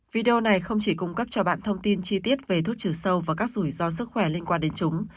video này không chỉ cung cấp cho bạn thông tin chi tiết về thuốc trừ sâu và các rủi ro sức khỏe liên quan đến chúng